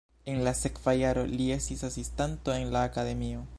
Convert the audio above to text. En la sekva jaro li estis asistanto en la akademio.